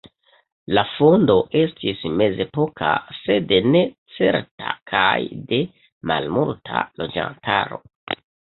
La fondo estis mezepoka, sed ne certa kaj de malmulta loĝantaro.